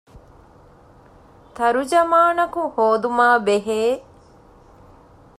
ތަރުޖަމާނަކު ހޯދުމާ ބެހޭ